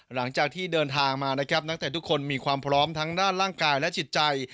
หลังจากที่เดินทางมานะครับนักเตะทุกคนมีความพร้อมทั้งด้านร่างกายและจิตใจ